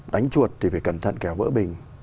đánh chuột thì phải cẩn thận kéo vỡ bình